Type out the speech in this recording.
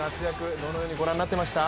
どのようにご覧になっていました？